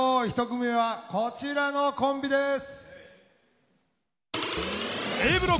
１組目はこちらのコンビです。